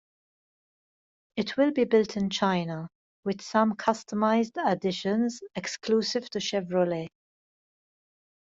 It will be built in China, with some customized additions exclusive to Chevrolet.